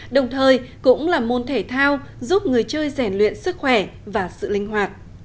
đồng thời cũng là môn thể thao giúp người chơi rèn luyện sức khỏe và sự linh hoạt